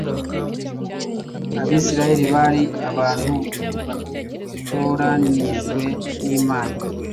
Abisirayeri bari abantu batoranyijwe n’Imana